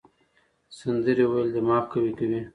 سندرې ویل دماغ قوي کوي.